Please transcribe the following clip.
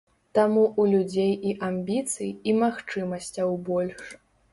Там у людзей і амбіцый і магчымасцяў больш.